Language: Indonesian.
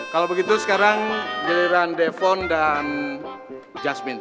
kalau begitu sekarang giliran defon dan jasmine